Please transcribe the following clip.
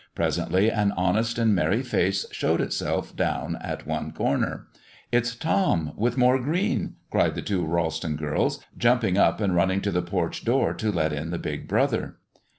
Presently an honest and merry face showed itself down at one corner. "It's Tom, with more green!" cried the two Ralston girls, jumping up and running to the porch door to let in the big brother.